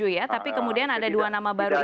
tujuh ya tapi kemudian ada dua nama baru itu ya